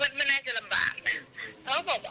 มันไม่น่าจะลำบากนะ